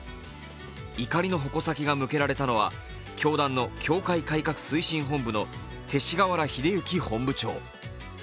怒りの矛先が向けられたのは教団の教団改革推進本部の勅使河原秀行本部長。